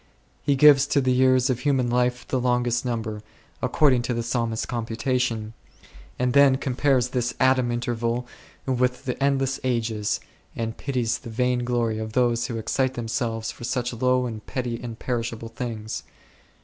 He gives to the years of human life the longest number, according to the Psalmist's computa tion, and then compares this atom interval with the endless ages, and pities the vain glory of those who excite themselves for such low and petty and perishable things.